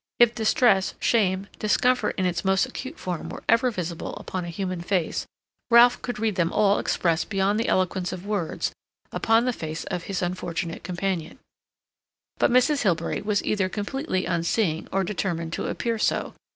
If distress, shame, discomfort in its most acute form were ever visible upon a human face, Ralph could read them all expressed beyond the eloquence of words upon the face of his unfortunate companion. But Mrs. Hilbery was either completely unseeing or determined to appear so.